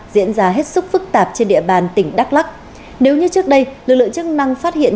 diễn ra hết sức phức tạp trên địa bàn tỉnh đắk lắc nếu như trước đây lực lượng chức năng phát hiện